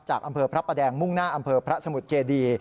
จากสมุทรพระประแดงมุ่งหน้าอำเภอสมุดเจดี